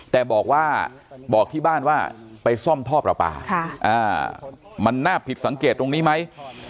แต่บอกว่าบอกที่บ้านว่าไปซ่อมท่อประปามันน่าผิดสังเกตตรงนี้ไหม